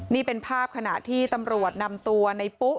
นี่เป็นภาพขณะที่ตำรวจนำตัวในปุ๊